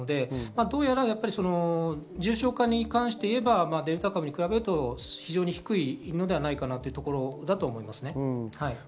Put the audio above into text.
どうやら重症化に関して言えば、デルタ株に比べて非常に低いのではないかというところだと思います。